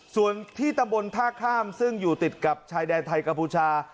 ส่วนที่ตำบลท่าข้ามซึ่งอยู่ติดกับชายแดนไทยกัมพูชา